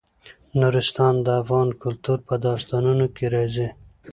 نورستان د افغان کلتور په داستانونو کې راځي.